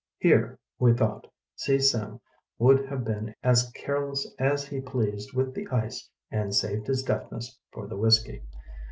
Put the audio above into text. "Here", we thought, "See Sim would have been as careless as he pleased with the ice and saved his deftness for the whisky."